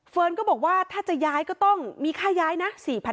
ก็บอกว่าถ้าจะย้ายก็ต้องมีค่าย้ายนะ